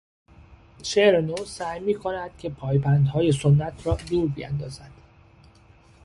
شعر نو سعی میکند که پابندهای سنت را دور بیاندازد.